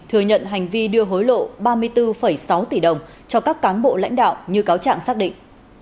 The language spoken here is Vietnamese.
thừa nhận hành vi đưa hối lộ ba mươi bốn sáu tỷ đồng cho các cán bộ lãnh đạo như cáo trạng xác định